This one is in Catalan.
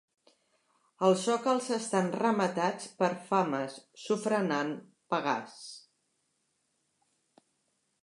Els sòcols estan rematats per fames sofrenant Pegàs.